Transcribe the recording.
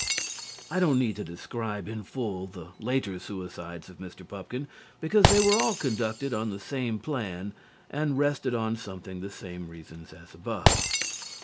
I don't need to describe in full the later suicides of Mr. Pupkin, because they were all conducted on the same plan and rested on something the same reasons as above.